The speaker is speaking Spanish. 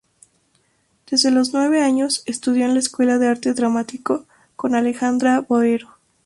Desde los nueve años estudió en la Escuela de Arte Dramático con Alejandra Boero.